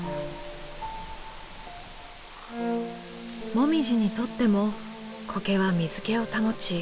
もみじにとってもコケは水けを保ち